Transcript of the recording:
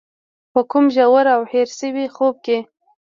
په کوم ژور او هېر شوي خوب کې.